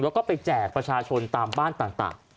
แล้วก็ไปแจกประชาชนตามบ้านต่าง